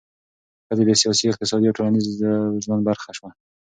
ښځې د سیاسي، اقتصادي او ټولنیز ژوند برخه شوه.